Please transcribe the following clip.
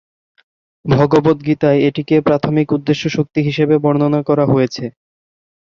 ভগবদ্গীতায় এটিকে "প্রাথমিক উদ্দেশ্য শক্তি" হিসাবে বর্ণনা করা হয়েছে।